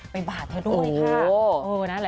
บาดเธอด้วยค่ะ